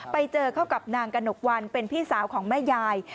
ไปเจอเข้ากับนางกระหนกวันเป็นพี่สาวของแม่ยาย